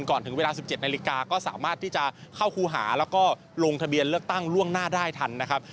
ก่อนถึงเวลา๑๗นาฬิกาก็สามารถที่จะเข้าครูหาแล้วก็ลงทะเบียนเลือกตั้งล่วงหน้าได้ทันนะครับ